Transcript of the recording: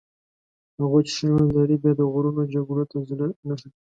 هغوی چې ښه ژوند لري بیا د غرونو جګړو ته زړه نه ښه کوي.